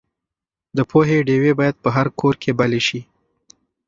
د پوهې ډیوې باید په هر کور کې بلې شي.